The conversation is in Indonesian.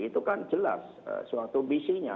itu kan jelas suatu misinya